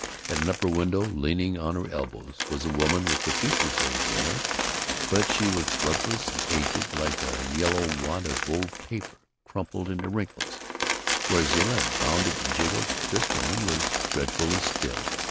At an upper window, leaning on her elbow, was a woman with the features of Zilla, but she was bloodless and aged, like a yellowed wad of old paper crumpled into wrinkles. Where Zilla had bounced and jiggled, this woman was dreadfully still.